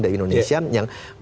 dari indonesia yang